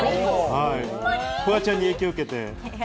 フワちゃんに影響を受けて。